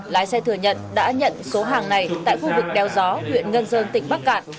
lái xe thừa nhận đã nhận số hàng này tại khu vực đeo gió huyện ngân dơn tỉnh bắc cạn